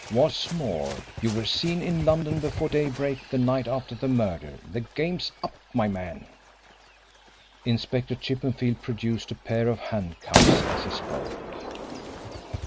What's more, you were seen in London before daybreak the night after the murder. The game's up, my man." Inspector Chippenfield produced a pair of handcuffs as he spoke.